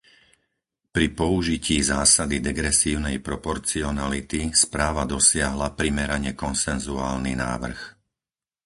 Pri použití zásady degresívnej proporcionality správa dosiahla primerane konsenzuálny návrh.